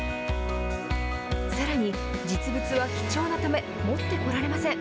さらに実物は貴重なため持ってこられません。